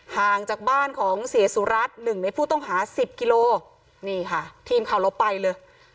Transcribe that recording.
ห่างจากบ้านของเสียสุรัตน์หนึ่งในผู้ต้องหาสิบกิโลนี่ค่ะทีมข่าวเราไปเลย